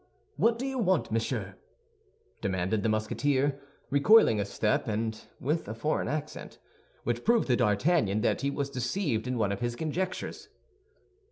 "What do you want, monsieur?" demanded the Musketeer, recoiling a step, and with a foreign accent, which proved to D'Artagnan that he was deceived in one of his conjectures.